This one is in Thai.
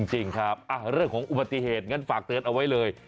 จริงครับเรื่องของอุบัติเหตุงั้นฝากเตือนเอาไว้เลย